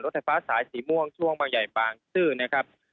ไฟฟ้าสายสีม่วงช่วงบางใหญ่บางซื่อนะครับ